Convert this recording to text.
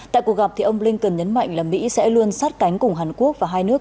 tại cuộc gặp ông blinken nhấn mạnh là mỹ sẽ luôn sát cánh cùng hàn quốc và hai nước